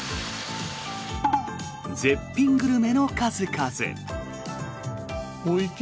絶品グルメの数々！